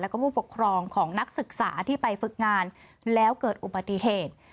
แล้วก็ผู้ปกครองของนักศึกษาที่ไปฝึกงานแล้วเกิดอุบัติเหตุ